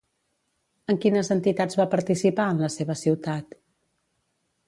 En quines entitats va participar en la seva ciutat?